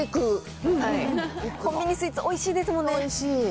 コンビニスイーツおいしいでおいしい。